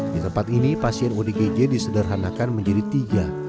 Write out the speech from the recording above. di tempat ini pasien odgj disederhanakan menjadi tiga